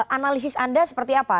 analisis anda seperti apa